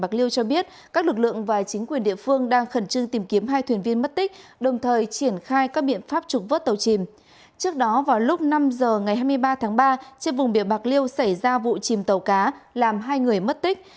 trước đó vào lúc năm h ngày hai mươi ba tháng ba trên vùng địa bạc liêu xảy ra vụ chìm tàu cá làm hai người mất tích